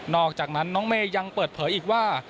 อกจากนั้นน้องเมย์ยังเปิดเผยอีกว่า